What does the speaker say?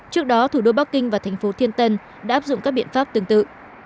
trước đó thủ đô bắc kinh và thành phố thiên tân đã áp dụng các biện pháp tương tự